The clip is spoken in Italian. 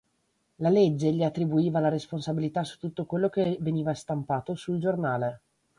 La legge gli attribuiva la responsabilità su tutto quello che veniva stampato sul giornale.